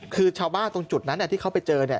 คือชาวบ้านตรงจุดนั้นที่เขาไปเจอ